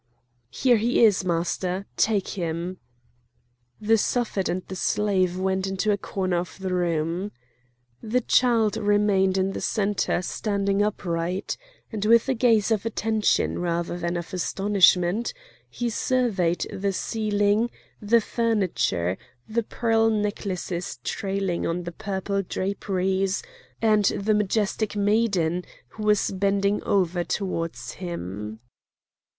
"Here he is, Master! Take him!" The Suffet and the slave went into a corner of the room. The child remained in the centre standing upright, and with a gaze of attention rather than of astonishment he surveyed the ceiling, the furniture, the pearl necklaces trailing on the purple draperies, and the majestic maiden who was bending over towards him.